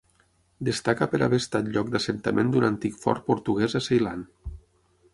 Destaca per haver estat lloc d'assentament d'un antic fort portuguès a Ceilan.